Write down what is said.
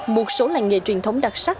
một số làng nghề truyền thống đặc sắc